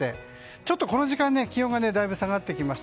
ちょっとこの時間、気温がだいぶ下がってきました。